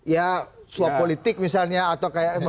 ya suap politik misalnya atau kayak